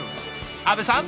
阿部さん